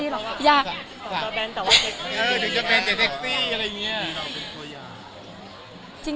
ไอดอลอะไรไอดอลเซ็กซี่เหรอ